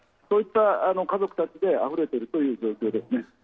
そういった家族たちであふれているという状況ですね。